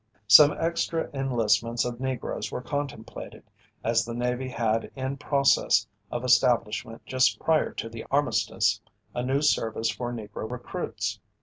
Some extra enlistments of Negroes were contemplated, as the Navy had in process of establishment just prior to the armistice, a new service for Negro recruits.